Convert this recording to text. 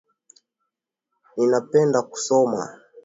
Ninapenda kusoma.